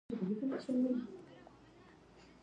د وطن هرې زرې ته سلام!